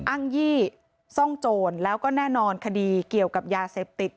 อ้างยี่ซ่องโจรแล้วก็แน่นอนคดีเกี่ยวกับยาเสพติด